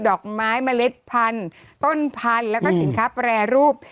ดอกไม้เมล็ดพันธุ์ต้นพันธุ์แล้วก็สินค้าแปรรูป